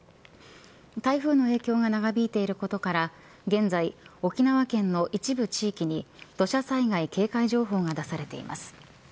台風の影響が長引いていることから現在、沖縄県の一部地域に土砂災害警戒情報が出されています。